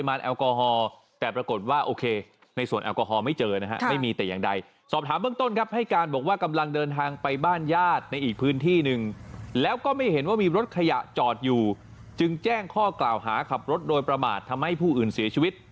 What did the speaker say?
บิจารณ์บอกว่ากำลังเดินทางไปบ้านญาติในอีกพื้นที่หนึ่งแล้วก็ไม่เห็นว่ามีรถขยะจอดอยู่จึงแจ้งข้อกล่าวหาขับรถโดยประมาททำให้ผู้อื่นเสียชีวิต